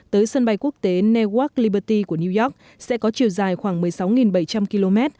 tới sân bay quốc tế newark liberty của new york sẽ có chiều dài khoảng một mươi sáu bảy trăm linh km